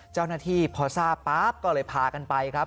เจ้าหน้าที่พอทราบป๊าบก็เลยพากันไปครับ